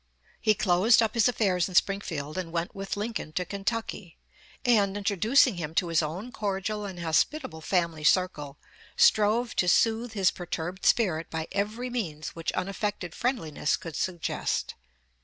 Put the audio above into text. He closed up his affairs in Springfield, and went with Lincoln to Kentucky, and, introducing him to his own cordial and hospitable family circle, strove to soothe his perturbed spirit by every means which unaffected friendliness could suggest.